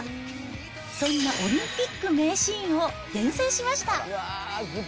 そんなオリンピック名シーンを厳選しました。